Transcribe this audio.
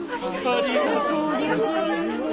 ありがとうございます。